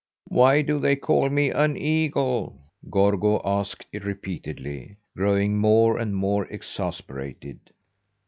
"Why do they call me an eagle?" Gorgo asked repeatedly, growing more and more exasperated.